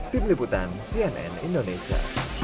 tim liputan cnn indonesia